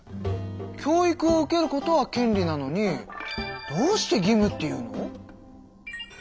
教育を受けることは権利なのにどうして義務っていうの？